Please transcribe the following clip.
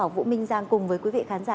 vũ minh giang cùng với quý vị khán giả